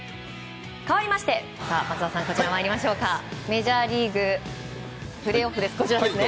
かわりましてメジャーリーグプレーオフです。